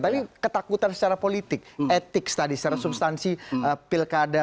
tapi ketakutan secara politik etik tadi secara substansi pilkada